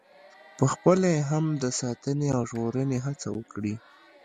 پخپله یې هم د ساتنې او ژغورنې هڅه وکړي.